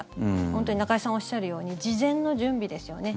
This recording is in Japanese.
本当に中居さんがおっしゃるように事前の準備ですよね。